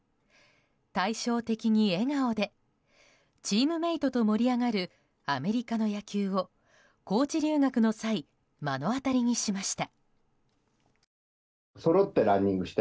対照的に笑顔でチームメートと盛り上がるアメリカの野球をコーチ留学の際目の当たりにしました。